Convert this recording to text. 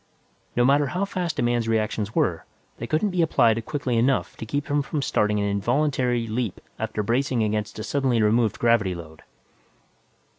No matter how fast a man's reactions were, they couldn't be applied quickly enough to keep him from starting an involuntary leap after bracing against a suddenly removed gravity load.